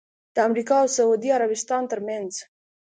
د امریکا اوسعودي عربستان ترمنځ